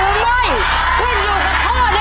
หนูรักจะได้หรือไม่